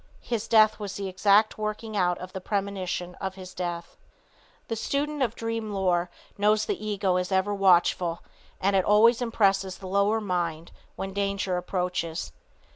His death was the exact working out of the premonition of his death." The student of dream lore knows the ego is ever watchful, and it always impresses the lower mind when danger approaches.